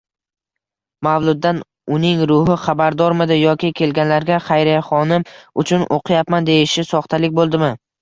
Mavluddan uning ruhi xabardormidi yoki kelganlarga Xayriyaxonim uchun o'qiyapman deyishi soxtalik bo'ldimi?